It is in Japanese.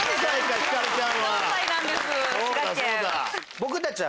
僕たちは。